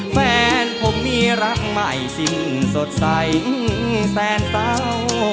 แฟนผมมีรักใหม่สิ้นสดใสแฟนเศร้า